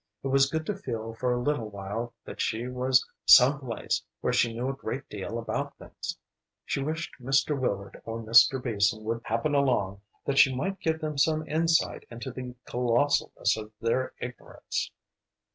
It was good to feel for a little while that she was some place where she knew a great deal about things. She wished Mr. Willard or Mr. Beason would happen along that she might give them some insight into the colossalness of their ignorance.